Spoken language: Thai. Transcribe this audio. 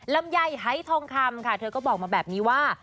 ลำไยหายทองคำค่ะเธอก็บอกมาแบบนี้ว่า